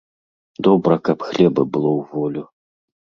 Добра, каб хлеба было ў волю.